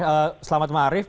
pak selamat ma'arif